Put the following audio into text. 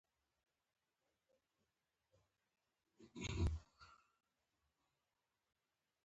آیا موږ د انتقاد حق نلرو؟